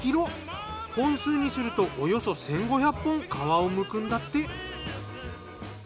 本数にするとおよそ１，５００本皮をむくんだって。